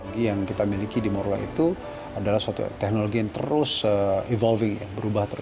teknologi yang kita miliki di morula itu adalah teknologi yang terus berubah